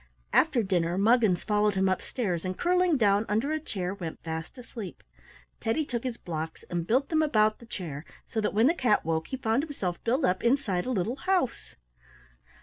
After dinner Muggins followed him upstairs, and curling down under a chair went fast asleep. Teddy took his blocks and built them about the chair, so that when the cat woke he found himself built up inside a little house.